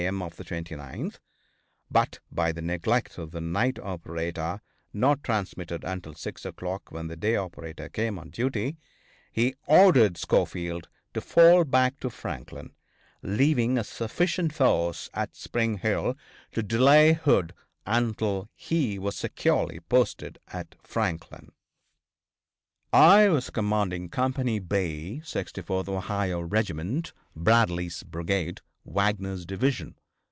m., of the 29th but by the neglect of the night operator not transmitted until 6 o'clock, when the day operator came on duty he ordered Schofield to fall back to Franklin, leaving a sufficient force at Spring Hill to delay Hood until he was securely posted at Franklin. I was commanding Company B, 64th Ohio Regiment, Bradley's brigade, Wagner's division.